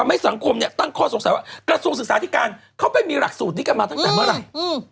ให้สังคมเนี่ยตั้งข้อสงสัยว่ากระทรวงศึกษาธิการเขาไปมีหลักสูตรนี้กันมาตั้งแต่เมื่อไหร่